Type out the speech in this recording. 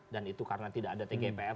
dan itu karena tidak ada tgpf